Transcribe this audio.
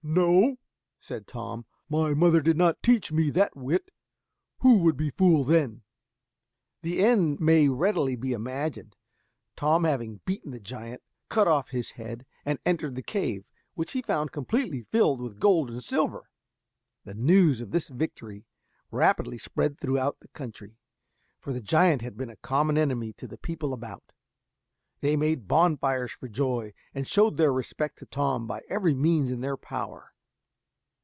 "No," said Tom, "my mother did not teach me that wit: who would be fool then?" The end may readily be imagined; Tom having beaten the giant, cut off his head, and entered the cave, which he found completely filled with gold and silver. The news of this victory rapidly spread throughout the country, for the giant had been a common enemy to the people about. They made bonfires for joy, and showed their respect to Tom by every means in their power.